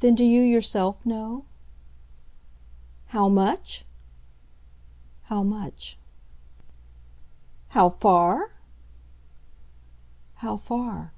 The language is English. "Then do you yourself know?" "How much ?" "How much." "How far ?" "How far."